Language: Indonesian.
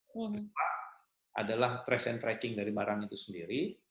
pertama adalah trace and tracking dari barang itu sendiri